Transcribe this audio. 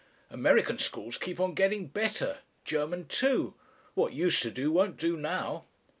American schools keep on getting better German too. What used to do won't do now.